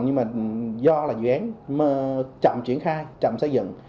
nhưng mà do là dự án chậm triển khai chậm xây dựng